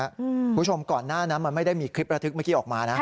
คุณผู้ชมก่อนหน้านั้นมันไม่ได้มีคลิประทึกเมื่อกี้ออกมานะ